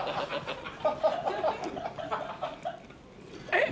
えっ？